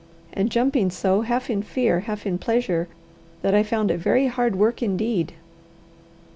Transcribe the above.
and jumping so, half in fear, half in pleasure, that I found it very hard work indeed.